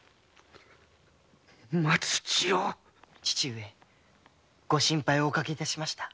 父上ご心配をおかけ致しました。